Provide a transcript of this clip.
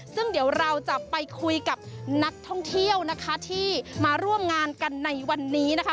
ซึ่งเดี๋ยวเราจะไปคุยกับนักท่องเที่ยวนะคะที่มาร่วมงานกันในวันนี้นะคะ